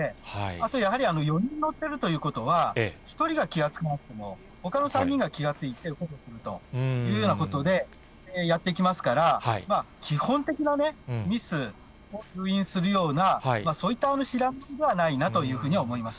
あとやはり、４人乗ってるということは、１人が気が付かなくても、ほかの３人が気が付いて、ということでやっていきますから、基本的なミスを誘引するようなそういった白波ではないなと思いま